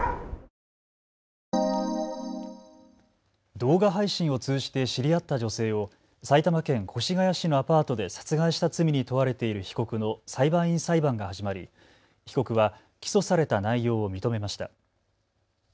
動画配信を通じて知り合った女性を埼玉県越谷市のアパートで殺害した罪に問われている被告の裁判員裁判が始まり、被告は起訴された内容を認めました。